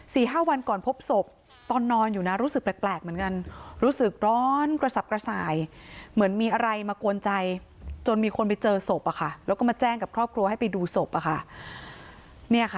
สี่ห้าวันก่อนพบศพตอนนอนอยู่น่ะรู้สึกแปลกแปลกเหมือนกัน